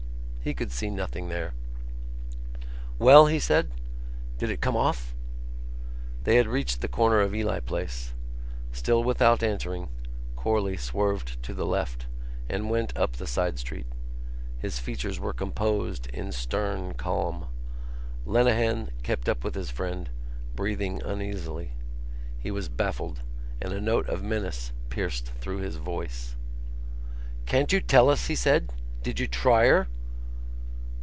He could see nothing there. "Well?" he said. "Did it come off?" They had reached the corner of Ely Place. Still without answering, Corley swerved to the left and went up the side street. His features were composed in stern calm. Lenehan kept up with his friend, breathing uneasily. He was baffled and a note of menace pierced through his voice. "Can't you tell us?" he said. "Did you try her?"